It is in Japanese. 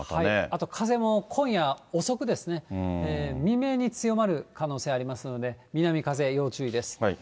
あと風も今夜遅くですね、未明に強まる可能性ありますので、南風、要注意です。